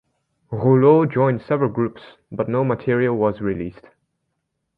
Rouleau joined several groups, but no material was released.